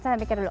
saya pikir dulu